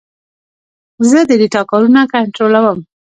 زه د ډیټا کارونه کنټرولوم.